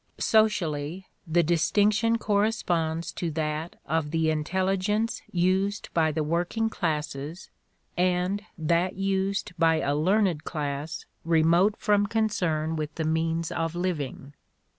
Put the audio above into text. Socially, the distinction corresponds to that of the intelligence used by the working classes and that used by a learned class remote from concern with the means of living.